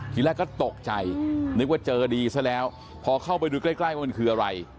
ทีแรกก็ตกใจนึกว่าเจอดีซะแล้วพอเข้าไปดูใกล้ใกล้ว่ามันคืออะไร